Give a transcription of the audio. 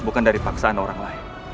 bukan dari paksaan orang lain